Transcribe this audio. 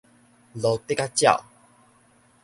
蘆荻仔鳥